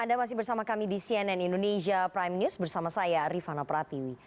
anda masih bersama kami di cnn indonesia prime news bersama saya rifana pratiwi